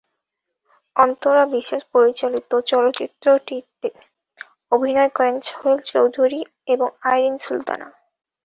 অন্তরা বিশ্বাস পরিচালিত চলচ্চিত্রটিতে অভিনয় করেন সোহেল চৌধু রী এবং আইরিন সুলতানা।